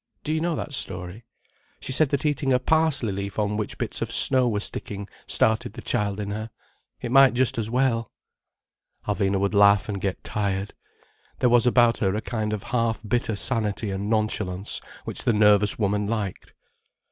Do you know that story? She said that eating a parsley leaf on which bits of snow were sticking started the child in her. It might just as well—" Alvina would laugh and get tired. There was about her a kind of half bitter sanity and nonchalance which the nervous woman liked.